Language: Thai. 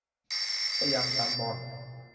ระยำตำบอน